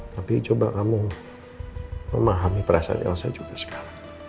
tapi coba kamu memahami perasaan elsa juga sekali